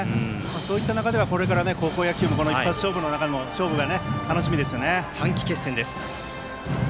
そういった中ではこれから高校野球も一発勝負の中の勝負が短期決戦です。